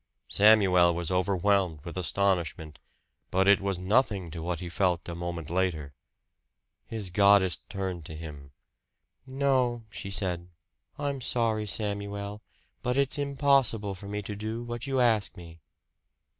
Samuel was overwhelmed with astonishment; but it was nothing to what he felt a moment later. His goddess turned to him. "No," she said. "I'm sorry, Samuel, but it's impossible for me to do what you ask me."